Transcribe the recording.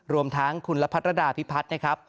รวมทั้งคุณลภัทรดาพิพัฒน์